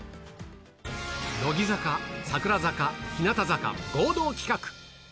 乃木坂、櫻坂、日向坂合同企画。